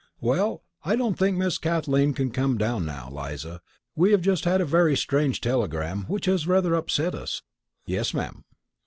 "Well, I don't think Miss Kathleen can come down now, Eliza; we have just had a very strange telegram which has rather upset us." "Yes, ma'am."